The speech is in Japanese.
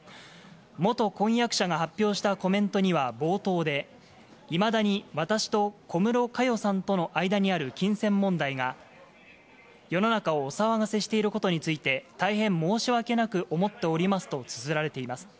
元婚約者が発表したコメントには、冒頭で、いまだに私と小室佳代さんとの間にある金銭問題が世の中をお騒がせしていることについて、大変申し訳なく思っておりますとつづられています。